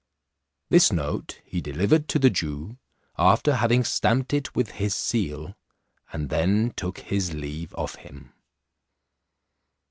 This note he delivered to the Jew, after having stamped it with his seal, and then took his leave of him.